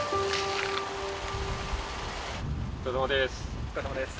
お疲れさまです。